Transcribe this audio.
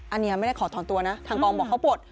อันนี้ไม่ได้ขอถอนตัวนะทางกองบอกเขาปลด